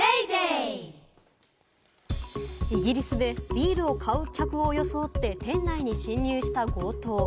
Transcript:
イギリスでビールを買う客を装って店内に侵入した強盗。